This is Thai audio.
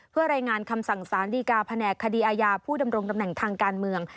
เพื่อรายงานคำสั่งสารดีการแผนกคดีอาญาผู้ดำรงตำแหน่งทางการเมือง